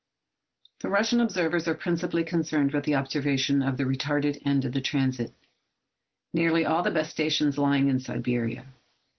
The Russian observers are principally concerned with the observation of the retarded end of the transit, nearly all the best stations lying in Siberia.